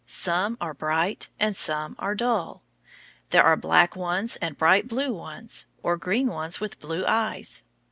Some are bright and some are dull. There are black ones and bright blue ones, or green ones with blue eyes.